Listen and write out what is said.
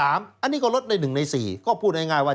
อันนี้ก็ลดใน๑ใน๔ก็พูดง่ายว่า